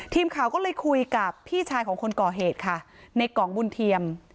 ทีมข่าวก็เลยคุยกับพี่ชายของคนก่อเหตุค่ะในกองบุญเทียม